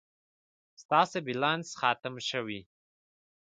ستاسي بلينس ختم شوي